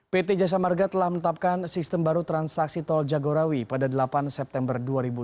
pt jasa marga telah menetapkan sistem baru transaksi tol jagorawi pada delapan september dua ribu tujuh belas